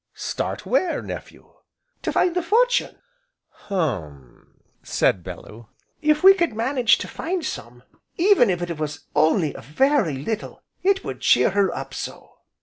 "Start where, nephew?" "To find the fortune." "Hum!" said Bellew. "If we could manage to find some, even if it was only a very little, it would cheer her up so."